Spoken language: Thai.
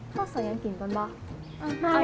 พ่อสวยังกินป่ะ